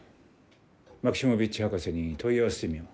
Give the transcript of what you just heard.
マキシモヴィッチ博士に問い合わせてみよう。